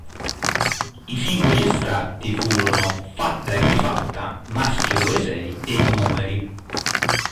I singoli estratti furono "Fatta E Rifatta", "Maschio Dove Sei" e "Numeri".